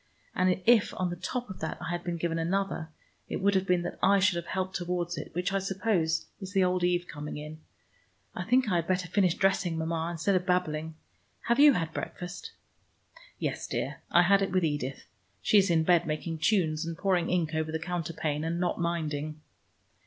And if on the top of that I had been given another, it would have been that I should have helped towards it, which I suppose is the old Eve coming in. I think I had better finish dressing, Mama, instead of babbling. Have you had breakfast?" "Yes, dear, I had it with Edith. She is in bed making tunes and pouring ink over the counterpane, and not minding."